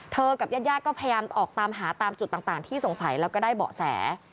กับญาติก็พยายามออกตามหาตามจุดต่างที่สงสัยแล้วก็ได้เบาะแส